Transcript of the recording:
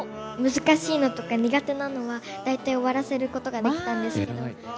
難しいのとか苦手なのは、大体終わらせることができたんですけど。